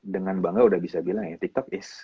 dengan bangga udah bisa bilang ya tiktok is